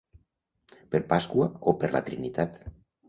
Per Pasqua o per la Trinitat.